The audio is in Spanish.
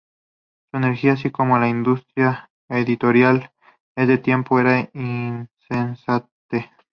Su energía, así como la industria editorial de ese tiempo era incesante.